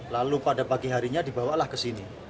lalu pada pagi harinya dibawalah ke sini